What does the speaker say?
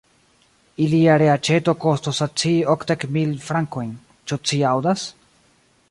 Ilia reaĉeto kostos al ci okdek mil frankojn, ĉu ci aŭdas?